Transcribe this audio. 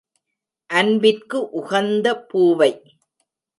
அன்பிற்கு உகந்த பூவை.